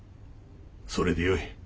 それでよい。